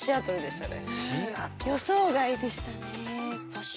予想外でしたね。